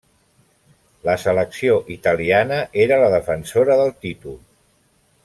La selecció italiana era la defensora del títol.